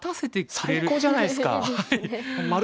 最高じゃないですか。ですね。